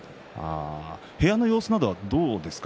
部屋での様子はどうですか？